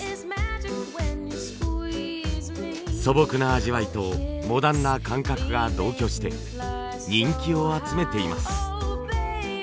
素朴な味わいとモダンな感覚が同居して人気を集めています。